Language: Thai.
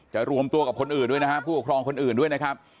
รวมตัวกับคนอื่นด้วยนะฮะผู้ปกครองคนอื่นด้วยนะครับ